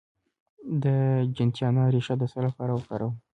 د جنتیانا ریښه د څه لپاره وکاروم؟